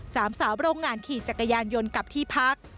สามสาวโรงงานขี่จักรยานยนต์กลับที่พัก